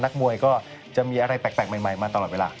มวยก็จะมีอะไรแปลกใหม่มาตลอดเวลา